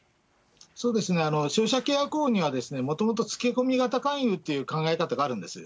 そうですね、消費者契約法にはもともとつけ込み型勧誘っていう考え方があるんです。